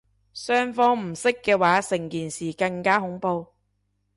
雙方唔識嘅話成件事更加恐怖